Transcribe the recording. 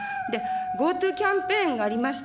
ＧｏＴｏキャンペーンがありました。